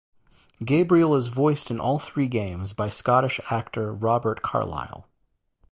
Gabriel is voiced in all three games by Scottish actor Robert Carlyle.